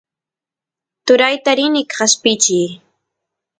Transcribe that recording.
turayta rini qeshpichiy